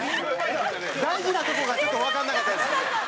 大事なとこがちょっとわかんなかったです。